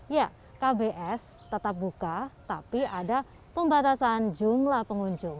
ya kbs tetap buka tapi ada pembatasan jumlah pengunjung